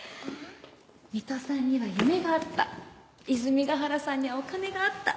水戸さんには夢があった泉ヶ原さんにはお金があった。